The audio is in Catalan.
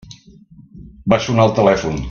Va sonar el telèfon.